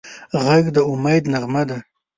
غږ د امید نغمه ده